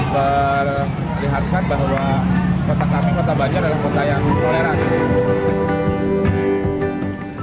memperlihatkan bahwa kota kami kota banjar adalah kota yang toleran